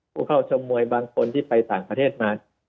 ผู้เข้าชมมวยบางคนที่ไปต่างประเทศมา